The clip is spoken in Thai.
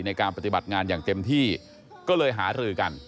ในการปฏิบัติงานอย่างเต็มที่ก็เลยหารือกัน